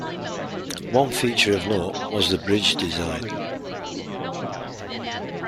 One feature of note was the bridge design.